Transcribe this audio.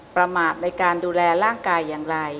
ประมาทในการดูแลร่างกายอย่างไร